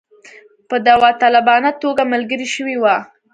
په داوطلبانه توګه ملګري شوي وه.